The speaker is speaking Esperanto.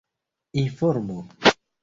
informo